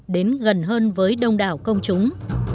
đến gần hơn với đông đảo công chúng